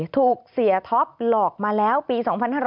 ถูกเสียท็อปหลอกมาแล้วปี๒๕๕๙